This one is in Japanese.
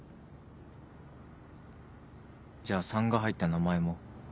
じゃあ３が入った名前も？